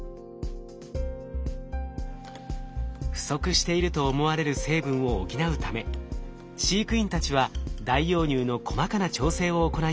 不足していると思われる成分を補うため飼育員たちは代用乳の細かな調整を行いました。